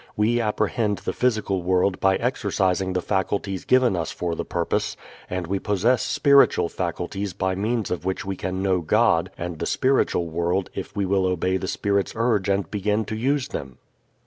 We apprehend the physical world by exercising the faculties given us for the purpose, and we possess spiritual faculties by means of which we can know God and the spiritual world if we will obey the Spirit's urge and begin to use them.